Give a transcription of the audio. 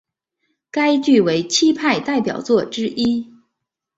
该剧为戚派代表作之一。